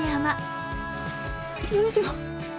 よいしょ。